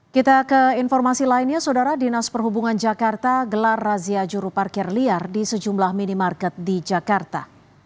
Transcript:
kita ke informasi lainnya saudara dinas perhubungan jakarta gelar razia juru parkir liar di sejumlah minimarket di jakarta